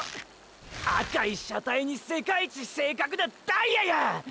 赤い車体に世界一正確なダイヤや！！